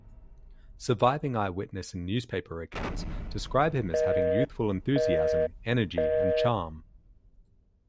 Surviving eyewitness and newspaper accounts describe him as having youthful enthusiasm, energy, and charm.